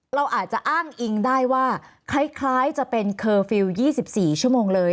เราอาจจะอ้างอิงได้ว่าคล้ายจะเป็นเคอร์ฟิลล์๒๔ชั่วโมงเลย